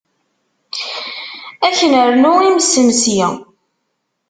Ad k-nernu imesnsi?